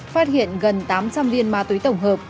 phát hiện gần tám trăm linh viên ma túy tổng hợp